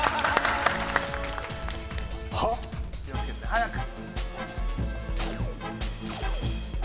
早く。